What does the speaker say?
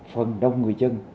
phần đông người dân